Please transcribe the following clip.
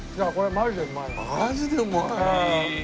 マジでうまい。